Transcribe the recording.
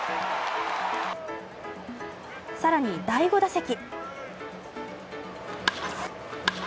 更に第５打席。